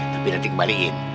tapi nanti kebalikin